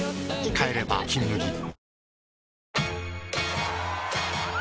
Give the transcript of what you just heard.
帰れば「金麦」わ！